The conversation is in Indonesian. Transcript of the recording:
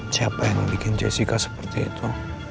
siapa yang bikin jessica seperti itu